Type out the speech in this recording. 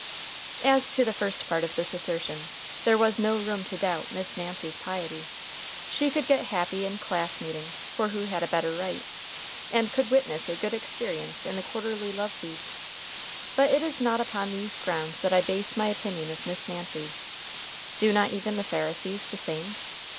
As to the first part of this assertion, there was no room to doubt Miss Nancy's piety. She could get happy in class meeting (for who had a better right?), and could witness a good experience in the quarterly love feast. But it is not upon these grounds that I base my opinion of Miss Nancy. Do not even the Pharisees the same?